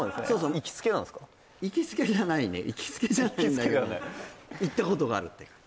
行きつけじゃないね行きつけじゃないんだけど行きつけではない行ったことがあるって感じ